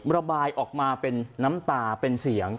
ระบายออกมาเป็นน้ำตาเป็นเสียง